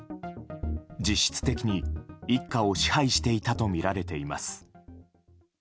実質的に一家を支配していたとみられています。